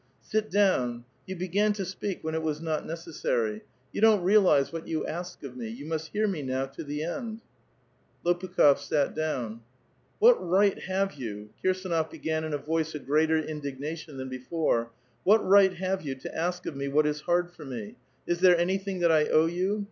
" Sit down ; you began "^o speak when it was not necessary. You don't realize 'What you ask of me. You must hear me now to the end." Ix)pukh6f sat down. '* What right have3'ou" — Kirsdnof began in a voice of greater indignation than before —" what right have j^ou to ^sk of me what is hard for me ? Is there anything that I Owe you?